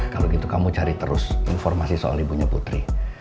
kalau gitu kamu cari terus informasi soal ibunya putri